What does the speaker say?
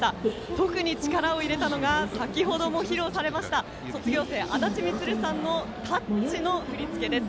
特に力を入れたのが先ほども披露されました卒業生、あだち充さんの「タッチ」の振り付けです。